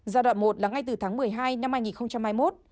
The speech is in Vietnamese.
giai đoạn một là ngay từ tháng một mươi hai năm hai nghìn hai mươi một